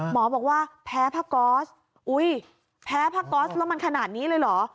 หมอบอกว่าแพ้พระกอศอุ๊ยแพ้พระกอศแล้วมันขนาดนี้เลยเหรอ